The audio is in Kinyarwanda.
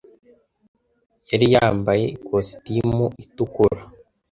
Yari yambaye ikositimu itukura.